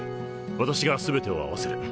私が全てを合わせる。